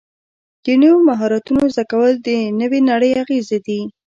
د نویو مهارتونو زده کول د نوې نړۍ اغېزې دي.